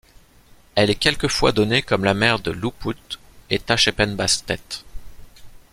Elle est quelquefois donnée comme la mère de Ioupout et Tashepenbastet.